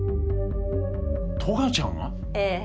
トガちゃんが⁉ええ。